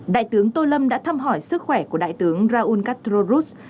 đại tướng tô lâm đã thăm hỏi sức khỏe của đại tướng raúl castro ruz